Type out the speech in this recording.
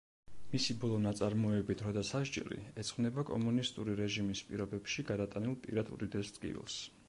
მისი ბოლო ნაწარმოები „დრო და სასჯელი“, ეძღვნება კომუნისტური რეჟიმის პირობებში გადატანილ პირად უდიდეს ტკივილს.